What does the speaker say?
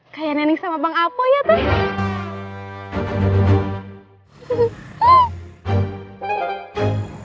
kayak nenek sama bang apoy ya teh